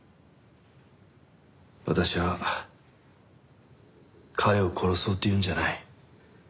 私は彼を殺そうというんじゃない。